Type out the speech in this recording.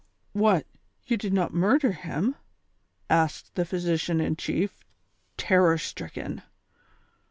" What ! you did not murder him ?" asked the physi cian in chief, terror stricken.